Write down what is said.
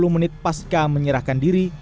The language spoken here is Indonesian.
tiga puluh menit paska menyerahkan diri